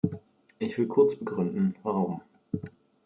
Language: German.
Ich will kurz begründen, warum.